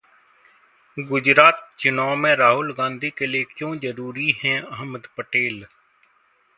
गुजरात चुनाव में राहुल गांधी के लिए क्यों जरूरी हैं अहमद पटेल?